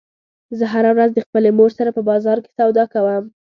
زه هره ورځ د خپلې مور سره په بازار کې سودا کوم